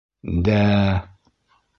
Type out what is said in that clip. Дә-ә!..